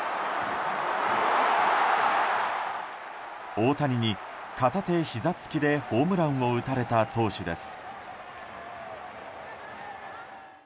大谷に片手、ひざつきでホームランを打たれた投手です。